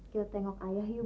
kita tengok ayah ya bu